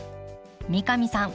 三上さん